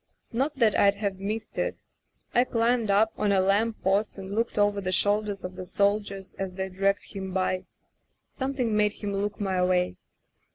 Not that I'd have missed it. I climbed up on a lamp post and looked over the shoulders of the soldiers as they dragged him by. Something made him look my way.